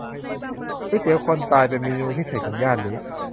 ก๋วยเตี๋ยวคนตาย เป็นเมนูพิเศษของย่านนี้